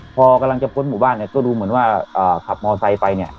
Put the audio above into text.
พอกำลังจะพ้นหมู่บ้านเนี่ยก็ดูเหมือนว่าขับมอไซค์ไปเนี่ย